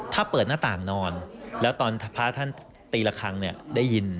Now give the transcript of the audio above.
ถ้าเปิดหน้าต่างนอนแล้วตอนพระท่านตีละครั้งเนี่ยได้ยิน